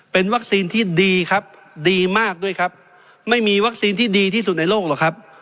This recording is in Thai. เป็นวัคซีนที่ดีครับดีมากด้วยครับไม่มีวัคซีนที่ดีที่สุดในโลกหรอกครับ